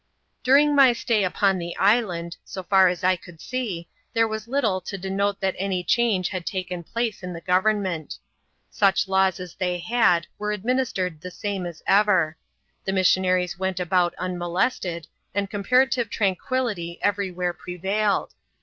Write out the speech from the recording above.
During my stay upon the i^dand, so far as I could see, there was little to denote that any change had taken place intbe i government. Such laws as they had were administered the same as ever; the missionaries went about unmolested^ and comparative tranquillity everywhere prevailed.